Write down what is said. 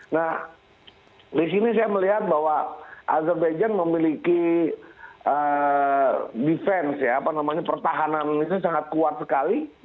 nah di sini saya melihat bahwa azerbaijan memiliki defense pertahanan ini sangat kuat sekali